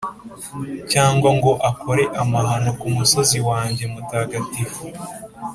cyangwa ngo akore amahano ku musozi wanjye mutagatifu,